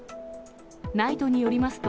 ＮＩＴＥによりますと、